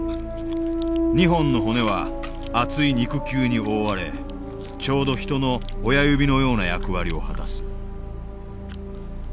２本の骨は厚い肉球に覆われちょうど人の親指のような役割を果たす。